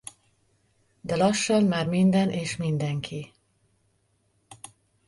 De lassan már minden és mindenki.